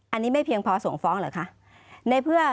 อันนี้ไม่เพียงพอส่งฟ้องเหรอคะ